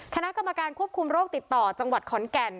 คณะกรรมการควบคุมโรคติดต่อจังหวัดขอนแก่น